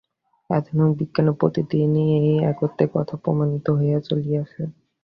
আধুনিক বিজ্ঞানে প্রতিদিনই এই একত্বের কথা প্রমাণিত হইয়া চলিয়াছে।